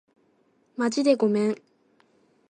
まじでごめん